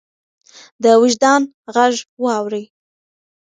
د وجدان غږ واورئ.